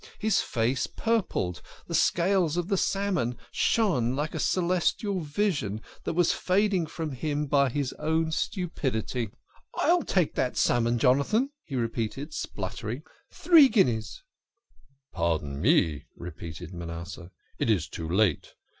His face purpled. The scales of the salmon shone like a celestial vision that was fading from him by his own stupidity. " I'll take that salmon, Jonathan," he repeated, splutter ing. " Three guineas." " Pardon me," repeated Manasseh, " it is too late.